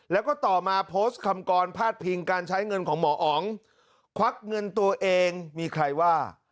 แล้วก็ต่อมาโพสต์คำกรพาดพิงการใช้เงินของหมออ๋องควักเงินตัวเองมีใครว่า